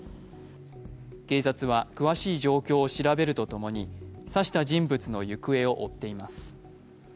警察は詳しい状況を調べるとともに刺した人物の行方を追っています。